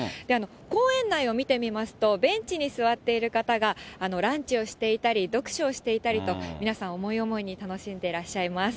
公園内を見てみますと、ベンチに座っている方が、ランチをしていたり、読書をしていたりと、皆さん、思い思いに楽しんでらっしゃいます。